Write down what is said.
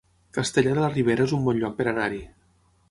Castellar de la Ribera es un bon lloc per anar-hi